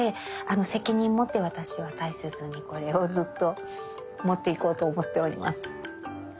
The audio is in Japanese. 責任持って私は大切にこれをずっと持っていこうと思っております。